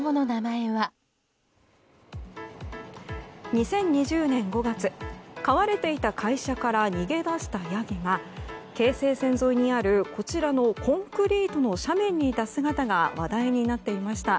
２０２０年５月飼われていた会社から逃げ出したヤギが京成線沿いにある、こちらのコンクリートの斜面にいた姿が話題になっていました。